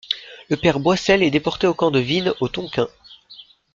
Le Père Boissel est déporté au camp de Vinh au Tonkin.